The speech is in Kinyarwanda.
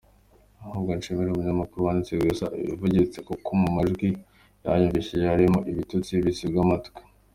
Ahubwo nshimire umunyamakuru wanditse gusa ibivugitse, kuko mu majwi yanyumvishije harimo ibitutsi biziba amatwi.